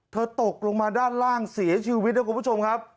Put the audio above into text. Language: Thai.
ตกลงมาด้านล่างเสียชีวิตนะคุณผู้ชมครับ